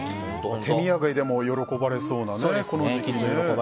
手土産でも喜ばれそうなね。